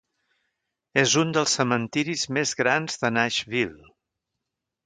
És un dels cementiris més grans de Nashville.